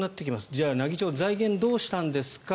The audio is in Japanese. じゃあ、奈義町は財源をどうしたんですか。